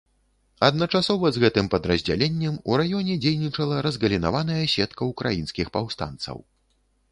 Адначасова з гэтым падраздзяленнем у раёне дзейнічала разгалінаваная сетка ўкраінскіх паўстанцаў.